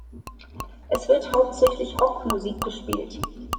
Es wird hauptsächlich Rockmusik gespielt.